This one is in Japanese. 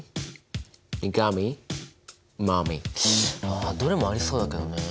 ああどれもありそうだけどね。